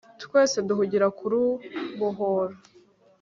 Twese duhugira kurubohora